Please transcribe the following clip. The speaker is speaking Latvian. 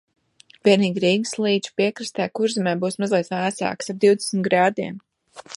Vienīgi Rīgas līča piekrastē Kurzemē būs mazliet vēsāks – ap divdesmit grādiem.